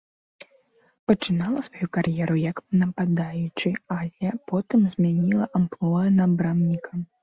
Пачынала сваю кар'еру як нападаючы, але потым змяніла амплуа на брамніка.